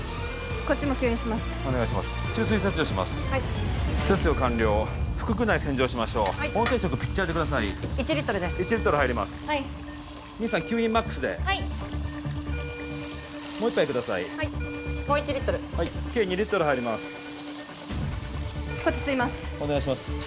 こっち吸いますお願いします